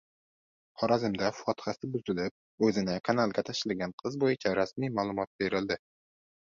Xorazmda fotihasi buzilib, o‘zini kanalga tashlagan qiz bo‘yicha rasmiy ma’lumot berildi